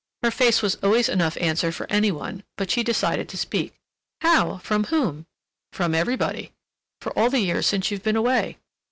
Her face was always enough answer for any one, but she decided to speak. "How—from whom?" "From everybody—for all the years since you've been away."